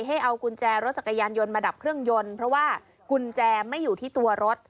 ให้เอากุญแจรถจักรยานยนต์มาดับเครื่องยนต์เพราะว่ากุญแจไม่อยู่ที่ตัวรถ